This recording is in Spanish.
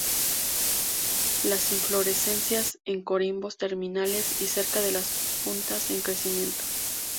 Las inflorescencias en corimbos terminales y cerca de las puntas en crecimiento.